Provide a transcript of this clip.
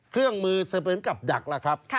เครื่องมือเสมือนกับดักล่ะครับ